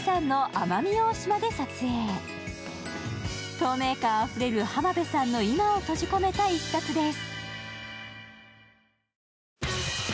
透明感あふれる浜辺さんの今を閉じ込めた１冊です。